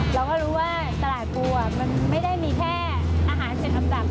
เราก็รู้ว่าตลาดปูมันไม่ได้มีแค่อาหาร๗ลำดับ